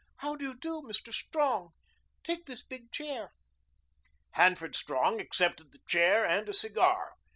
"How do you do, Mr. Strong? Take this big chair." Hanford Strong accepted the chair and a cigar.